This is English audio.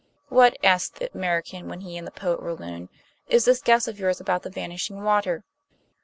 "What," asked the American, when he and the poet were alone, "is this guess of yours about the vanishing water?"